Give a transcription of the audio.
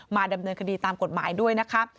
ดำเนินคดีตามกฎหมายด้วยนะคะ